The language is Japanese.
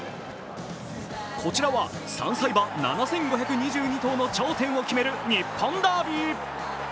こちらは３歳馬７５２２頭の頂点を決める日本ダービー。